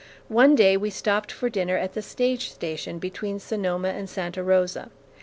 One day we stopped for dinner at the stage station between Sonoma and Santa Rosa.